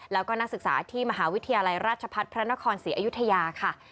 แล้วก็นักศึกษาที่มหาวิทยาลัยราชพัฒน์พระนครศรีอยุธยาค่ะ